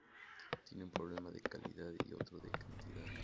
Tiene un problema de calidad y otro de cantidad